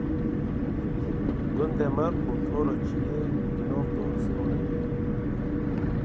Gundê me li quntara çiyê û di nav daristanê de ye.